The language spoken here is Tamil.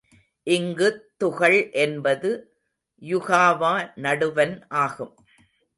இங்குத் துகள் என்பது யுகாவா நடுவன் ஆகும்.